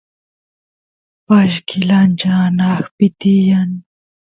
pashkil ancha anaqpi tiyan